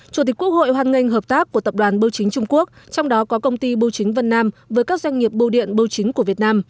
chủ tịch quốc hội hoan nghênh hợp tác của tập đoàn bưu chính trung quốc trong đó có công ty bưu chính vân nam với các doanh nghiệp bưu điện bưu chính của việt nam